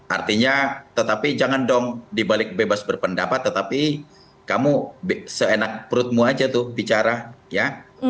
artinya tetapi jangan dong dibalik bebas berpendapat tetapi kamu seenak perutmu aja tuh bicara ya